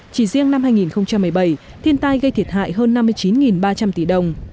chỉ riêng năm hai nghìn một mươi bảy thiên tai gây thiệt hại hơn năm mươi chín ba trăm linh tỷ đồng